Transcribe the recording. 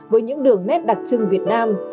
với những đường nét đặc trưng việt nam